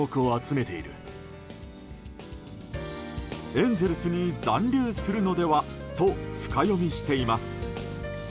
エンゼルスに残留するのではと深読みしています。